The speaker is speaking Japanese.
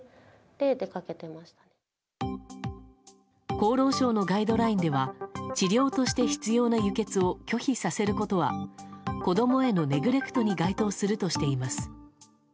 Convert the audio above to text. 厚労省のガイドラインでは治療として必要な輸血を拒否させることは子供へのネグレクトに該当するとしています。